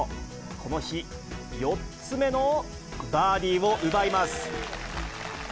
この日４つ目のバーディーを奪います。